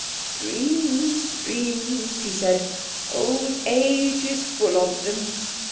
"Dreams, dreams!" he said; "old age is full of them!"